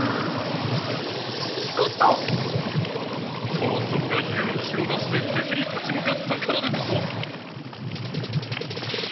トアさんがゆう気を出しててきに立ちむかったからですぞ！